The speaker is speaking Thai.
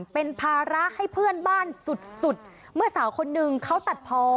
เป็นภาระให้เพื่อนบ้านสุดสุดเมื่อสาวคนนึงเขาตัดพอ